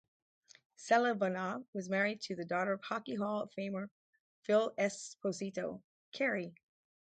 Selivanov was married to the daughter of Hockey Hall of Famer Phil Esposito, Carrie.